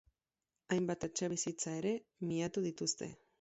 Hainbat etxebizitza ere, miatu dituzte.